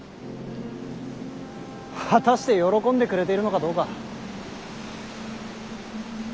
果たして喜んでくれているのかどうか。